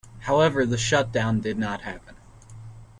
However the shutdown did not happen.